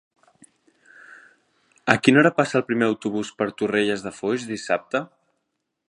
A quina hora passa el primer autobús per Torrelles de Foix dissabte?